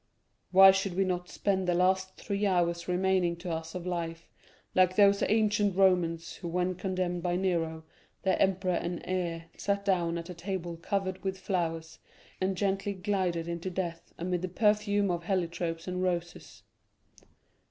"Why should we not spend the last three hours remaining to us of life, like those ancient Romans, who when condemned by Nero, their emperor and heir, sat down at a table covered with flowers, and gently glided into death, amid the perfume of heliotropes and roses?"